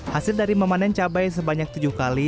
hasil dari memanen cabai sebanyak tujuh kali